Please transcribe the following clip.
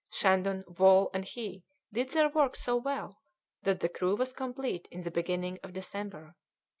Shandon, Wall, and he did their work so well that the crew was complete in the beginning of December.